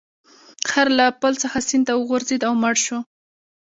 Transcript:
خر له پل څخه سیند ته وغورځید او مړ شو.